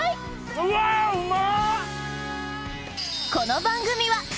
うわうま！